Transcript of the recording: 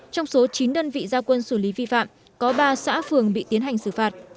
trong số chín đơn vị gia quân xử lý vi phạm có ba xã phường bị tiến hành xử phạt